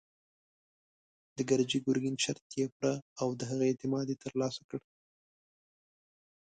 د ګرجي ګرګين شرط يې پوره او د هغه اعتماد يې تر لاسه کړ.